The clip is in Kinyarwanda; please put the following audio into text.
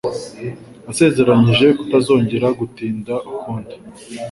Yasezeranije kutazongera gutinda ukundi.